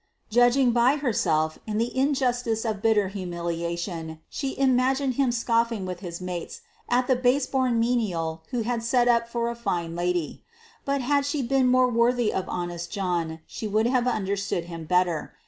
Judging by herself, in the injustice of bitter humiliation she imagined him scoffing with his mates at the base born menial who would set up for a fine lady. But had she been more worthy of honest John, she would have understood him better.